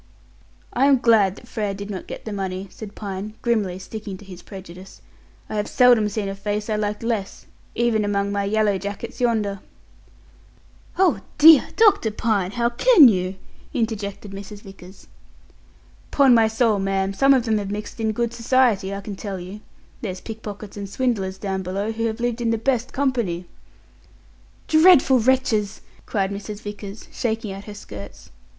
"I am glad that Frere did not get the money," said Pine, grimly sticking to his prejudice; "I have seldom seen a face I liked less, even among my yellow jackets yonder." "Oh dear, Dr. Pine! How can you?" interjected Mrs. Vickers. "'Pon my soul, ma'am, some of them have mixed in good society, I can tell you. There's pickpockets and swindlers down below who have lived in the best company." "Dreadful wretches!" cried Mrs. Vickers, shaking out her skirts.